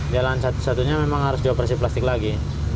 jalan satu satunya memang harus dioperasi plastik lagi